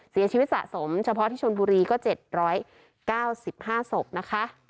เสียชีวิตสะสมเฉพาะที่ชนบุรีก็๗๙๕ศพนะคะ